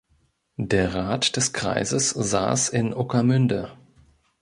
Der Rat des Kreises saß in Ueckermünde.